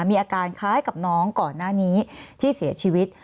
มีอาการคล้ายกับน้องก่อนหน้านี้ที่เสียชีวิต